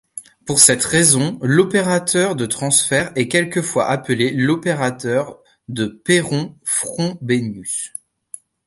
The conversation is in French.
Pour cette raison, l'opérateur de transfert est quelquefois appelé l'opérateur de Perron-Frobenius.